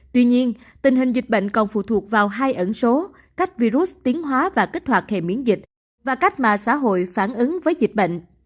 tuy nhiên tình hình dịch bệnh còn phụ thuộc vào hai ẩn số cách virus tiến hóa và kích hoạt hệ miễn dịch và cách mạng xã hội phản ứng với dịch bệnh